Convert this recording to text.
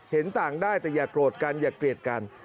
เห็นต่างได้แต่อย่าโกรธกันอย่าเกลียดกัน